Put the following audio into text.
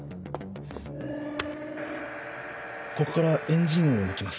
ここからエンジン音を抜きます。